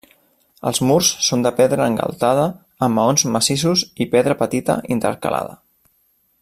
Els murs són de pedra engaltada amb maons massissos i pedra petita intercalada.